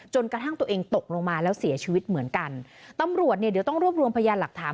กระทั่งตัวเองตกลงมาแล้วเสียชีวิตเหมือนกันตำรวจเนี่ยเดี๋ยวต้องรวบรวมพยานหลักฐาน